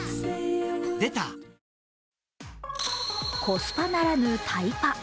コスパならぬタイパ。